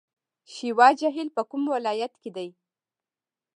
شیوا جهیل په کوم ولایت کې دی؟